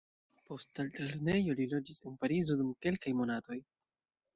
Post altlernejo, li loĝis en Parizo dum kelkaj monatoj.